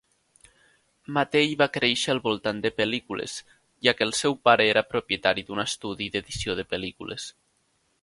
Mattei va créixer al voltant de pel·lícules, ja que el seu pare era propietari d'un estudi d'edició de pel·lícules.